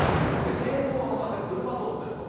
県道を挟んで車通ってると。